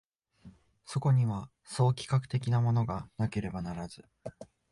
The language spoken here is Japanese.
そこには総企画的なものがなければならず、